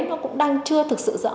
nó cũng đang chưa thực sự rõ